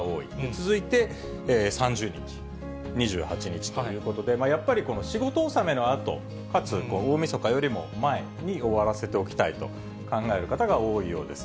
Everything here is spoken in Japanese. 続いて３０日、２８日ということで、やっぱり仕事納めのあとかつ大みそかよりも前に終わらせておきたいと考える方が多いようです。